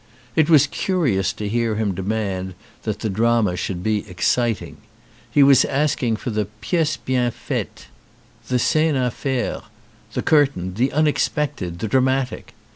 It was curious to hear him demand that the drama should be exciting. He was asking for the piece bien faite, the scene 188 A STUDENT OF THE DBAMA a faire, the curtain, the unexpected, the dramatic.